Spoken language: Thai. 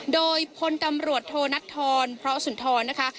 โดยพลตำรวจโทนัทธรพระสุนทรนะคะ